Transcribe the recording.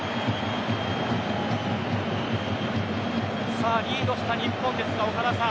さあリードした日本ですが岡田さん。